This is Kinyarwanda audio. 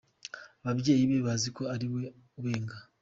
Ababyeyi be bazi ko ari we ubenga.